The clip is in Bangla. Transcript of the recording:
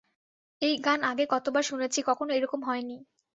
এই গান আগে কতবার শুনেছি, কখনো এরকম হয় নি।